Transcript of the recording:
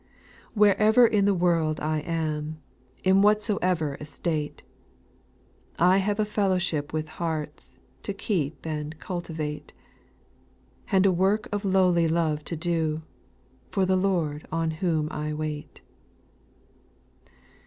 / 4, ' Wherever in the world I am, In whatso'er estate, I have a fellowship with hearts, To keep and cultivate ; And a work of lowly love to do. For the Lord on whom I wait.